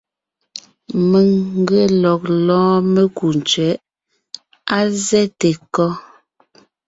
Mèŋ n ge lɔg lɔ́ɔn mekú tsẅɛ̌ʼ. Á zɛ́te kɔ́?